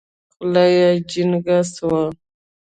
خوله يې جينګه سوه.